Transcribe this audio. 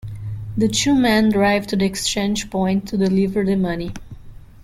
The two men drive to the exchange point to deliver the money.